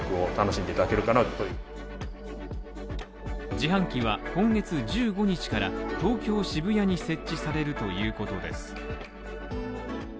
自販機は今月１５日から東京・渋谷に設置されるということです。